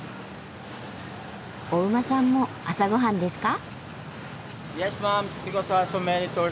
お馬さんも朝ごはんですか？